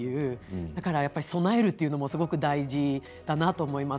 だから備えるというのもすごく大事だと思います。